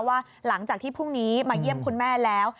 ว่าหลังจากที่พรุ่งนี้มาเยี่ยมคุณแม่แล้ว